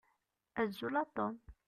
Azul a Tom.